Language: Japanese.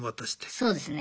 そうですね。